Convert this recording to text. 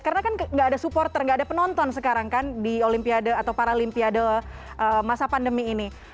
karena kan tidak ada supporter tidak ada penonton sekarang kan di olimpiade atau paralimpiade masa pandemi ini